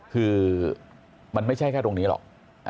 คือมันไม่ใช่แค่ตรงนี้หรอก